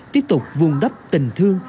tiếp tục vùng đắp tình thương